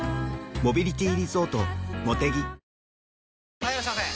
はいいらっしゃいませ！